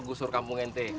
gusur kampung ente